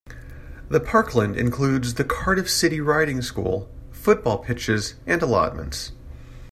The parkland includes the Cardiff City Riding School, football pitches and allotments.